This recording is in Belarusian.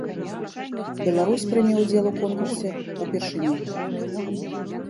Беларусь прыме ўдзел у конкурсе ўпершыню.